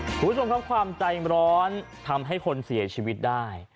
คุณผู้ชมครับความใจร้อนทำให้คนเสียชีวิตได้